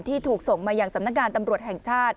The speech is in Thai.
ที่ถูกส่งมาอย่างสำนักงานตำรวจแห่งชาติ